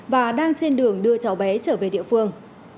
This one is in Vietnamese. và đang trên đường đưa cháu bé trở về địa phương